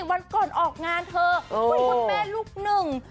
วันก่อนออกงานเธอก็อีกคนแม่ลูกหนึ่ง